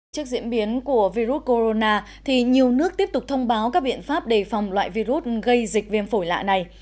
trước diễn biến của virus corona thì nhiều nước tiếp tục thông báo các biện pháp đề phòng loại virus gây dịch viêm phổi lạ này